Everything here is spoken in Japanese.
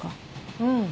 うん。